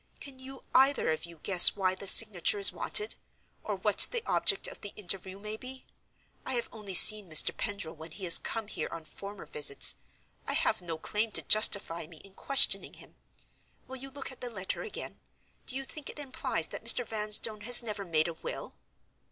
Can you either of you guess why the signature is wanted? or what the object of the interview may be? I have only seen Mr. Pendril when he has come here on former visits: I have no claim to justify me in questioning him. Will you look at the letter again? Do you think it implies that Mr. Vanstone has never made a will?"